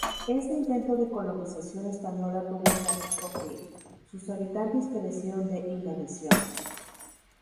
Este intento de colonización española tuvo un trágico fin: sus habitantes perecieron de inanición.